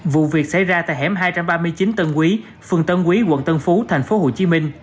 vụ việc xảy ra tại hẻm hai trăm ba mươi chín tân quý phường tân quý quận tân phú tp hcm